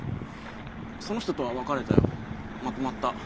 その人とは別れたよまとまった。